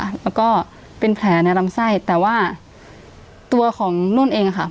แล้วก็เป็นแผลในลำไส้แต่ว่าตัวของนุ่นเองค่ะ